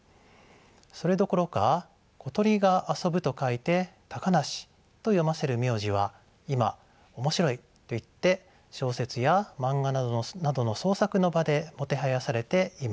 それどころか小鳥が遊ぶと書いて「たかなし」と読ませる名字は今面白いといって小説や漫画などの創作の場でもてはやされています。